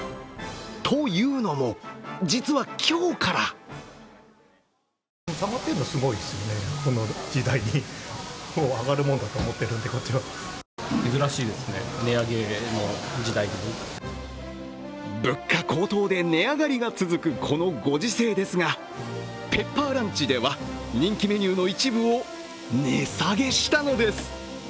というのも、実は今日から物価高騰で値上がりが続くこのご時世ですが、ペッパーランチでは人気メニューの一部を値下げしたのです。